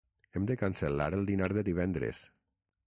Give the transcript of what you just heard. Hem de cancel·lar el dinar de divendres.